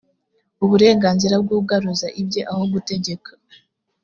uburenganzira bw ugaruza ibye aho gutegeka.